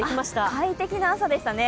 快適な朝でしたね。